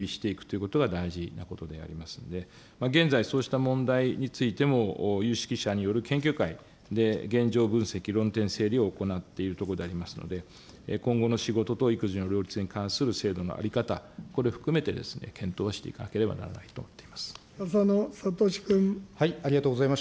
したがって、男女ともに安心して仕事と家庭を両立できる環境を整備していくということが大事なことでありますので、現在、そうした問題についても、有識者による研究会で現状分析、論点整理を行っているところでありますので、今後の仕事と育児の両立に関する制度の在り方、これを含めて、検討はしていかなければならないと思っております。